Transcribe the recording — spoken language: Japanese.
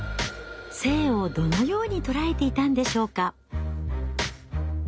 性をどのように捉えていたんでしょうか？